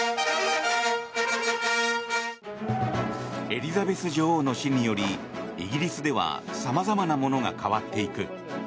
エリザベス女王の死によりイギリスでは様々なものが変わっていく。